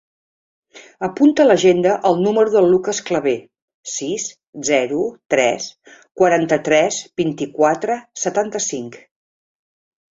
Apunta a l'agenda el número del Lucas Claver: sis, zero, tres, quaranta-tres, vint-i-quatre, setanta-cinc.